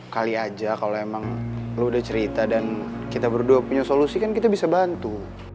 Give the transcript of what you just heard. kali aja kalau emang lo udah cerita dan kita berdua punya solusi kan kita bisa bantu